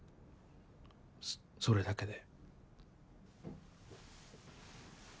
そそれだけで。